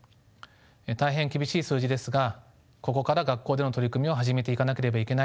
大変厳しい数字ですがここから学校での取り組みを始めていかなければいけない